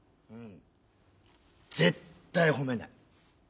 うん絶対褒めない。